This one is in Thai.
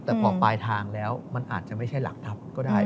แต่พอปลายทางแล้วมันอาจจะไม่ใช่หลักทัพก็ได้